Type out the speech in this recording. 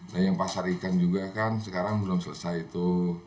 nah yang pasar ikan juga kan sekarang belum selesai itu